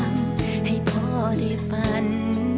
หลังให้พ่อได้ฝัน